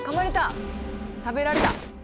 食べられた。